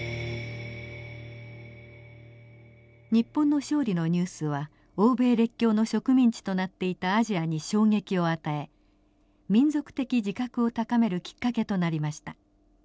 日本の勝利のニュースは欧米列強の植民地となっていたアジアに衝撃を与え民族的自覚を高めるきっかけとなりました。